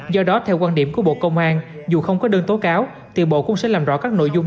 do đó theo quan điểm của bộ công an dù không có đơn tố cáo thì bộ cũng sẽ làm rõ các nội dung